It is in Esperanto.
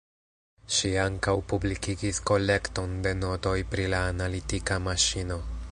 Ŝi ankaŭ publikigis kolekton de notoj pri la analitika maŝino.